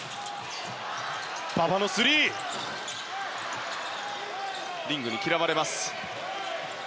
馬場のスリーリングに嫌われます。